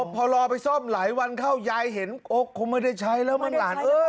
พอรอไปซ่อมหลายวันเข้ายายเห็นอกคงไม่ได้ใช้แล้วมั้งหลาน